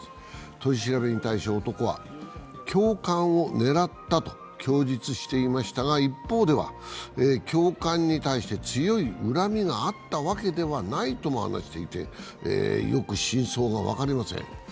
取り調べに対し男は教官を狙ったと供述していましたが一方では、教官に対して強い恨みがあったわけではないとも話していて、よく真相が分かりません。